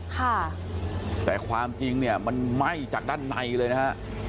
ค่ะแต่ความจริงเนี่ยมันไหม้จากด้านในเลยนะฮะ